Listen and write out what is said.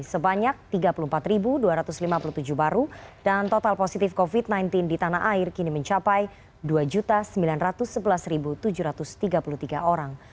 sebanyak tiga puluh empat dua ratus lima puluh tujuh baru dan total positif covid sembilan belas di tanah air kini mencapai dua sembilan ratus sebelas tujuh ratus tiga puluh tiga orang